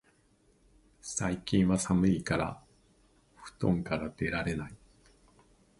最近は寒いからお布団から出られない